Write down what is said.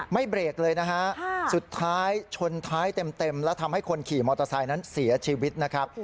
เบรกเลยนะฮะสุดท้ายชนท้ายเต็มแล้วทำให้คนขี่มอเตอร์ไซค์นั้นเสียชีวิตนะครับ